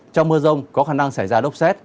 trong mưa rông có khả năng xảy ra lốc xét